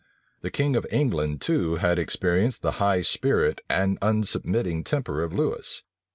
The king of England too had experienced the high spirit and unsubmitting temper of Lewis.